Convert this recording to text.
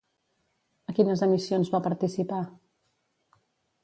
A quines emissions va participar?